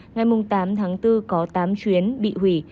ngày tám tháng bốn có tám chuyến bị hủy